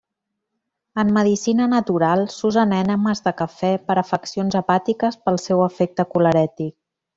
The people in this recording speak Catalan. En medicina natural s'usen ènemes de cafè per afeccions hepàtiques pel seu efecte colerètic.